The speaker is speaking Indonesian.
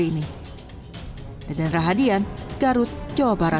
jika anda ingin mencari penuntut pemerintah silakan mencari penuntut pemerintah di jakarta